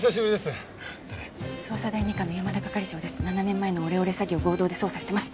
７年前のオレオレ詐欺を合同で捜査してます。